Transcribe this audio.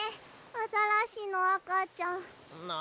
アザラシのあかちゃん。なあ。